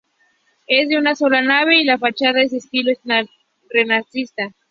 Es de una sola nave y la fachada es de estilo renacentista.